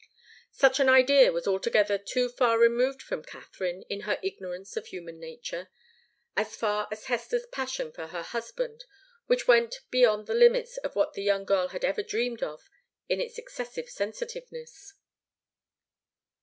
Such an idea was altogether too far removed from Katharine, in her ignorance of human nature as far as Hester's passion for her husband, which went beyond the limits of what the young girl had ever dreamed of in its excessive sensitiveness.